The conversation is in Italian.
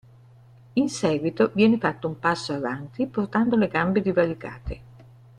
In seguito viene fatto un passo avanti portando le gambe divaricate.